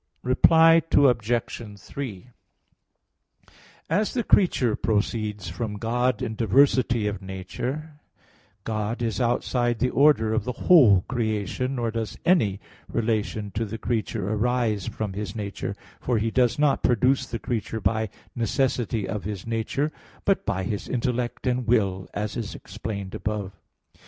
Reply Obj. 3: As the creature proceeds from God in diversity of nature, God is outside the order of the whole creation, nor does any relation to the creature arise from His nature; for He does not produce the creature by necessity of His nature, but by His intellect and will, as is above explained (Q. 14, AA. 3, 4; Q.